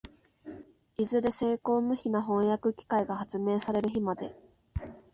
いずれ精巧無比な飜訳機械が発明される日まで、